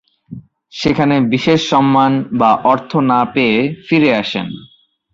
সেখানে বিশেষ সম্মান বা অর্থ না পেয়ে ফিরে আসেন।